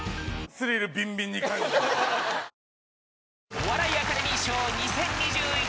お笑いアカデミー賞２０２１